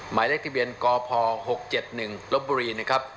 หมายเลขที่เวียนกพหกเจ็ดหนึ่งลบบุรีนะครับ